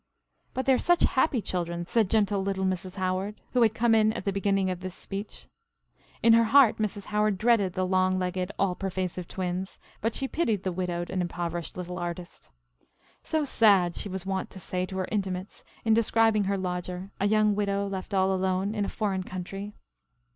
"But they are such happy children," said gentle little Mrs. Howard, who had come in at the beginning of this speech. In her heart Mrs. Howard dreaded the long legged, all pervasive twins, but she pitied the widowed and impoverished little artist. "So sad," she was wont to say to her intimates in describing her lodger, "a young widow left all alone in a foreign country."